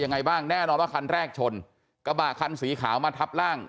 ยังไงบ้างแน่นอนว่าคันแรกชนกระบะคันสีขาวมาทับร่าง